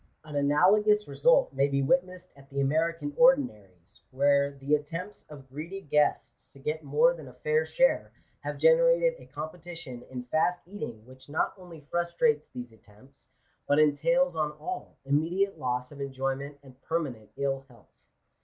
An analogous result may be witnessed at the American ordinaries, where the at tempts of greedy guests to get more than a fair share, have generated a competition in fast eating which not only frus trates" these attempts, but entails on all, immediate loss of enjoyment and permanent ill health.